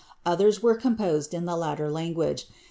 Others were composed in the latter language.